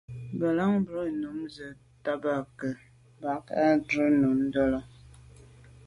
Ŋgə̀lâŋ brʉ́n nǔm sə̂' taba'ké mbá à nkrə̌ ndʉ́ kǎ.